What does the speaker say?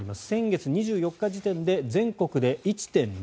先月２４日時点で全国で１．０７